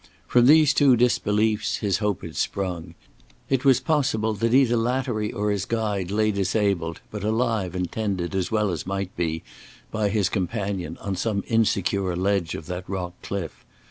From these two disbeliefs his hope had sprung. It was possible that either Lattery or his guide lay disabled, but alive and tended, as well as might be, by his companion on some insecure ledge of that rock cliff.